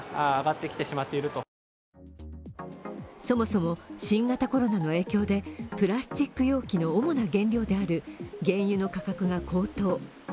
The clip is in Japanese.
そもそも新型コロナの影響でプラスチック容器の主な原料である原油の価格が高騰。